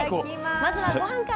まずはごはんから。